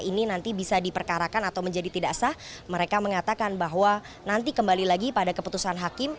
ini nanti bisa diperkarakan atau menjadi tidak sah mereka mengatakan bahwa nanti kembali lagi pada keputusan hakim